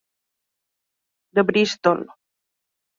de Bristol.